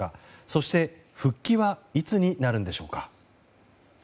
そして、復帰はいつになるんでしょうか。